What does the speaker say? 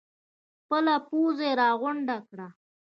خپل پوځ یې راغونډ کړ.